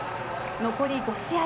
残り５試合